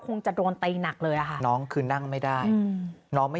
คงจะโดนตีหนักเลยอ่ะค่ะน้องคือนั่งไม่ได้อืมน้องไม่